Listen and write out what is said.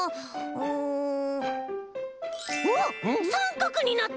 うわっさんかくになった！